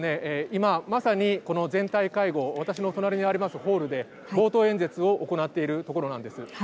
今まさに、この全体会合私の隣にありますホールで冒頭演説を行っているところなんです。